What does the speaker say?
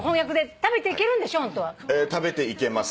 食べていけます。